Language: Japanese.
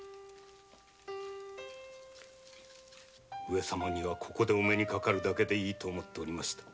上様にはお目にかかるだけでいいと思っていました。